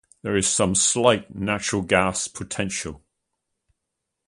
There is some slight natural gas potential.